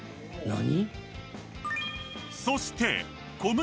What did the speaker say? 何？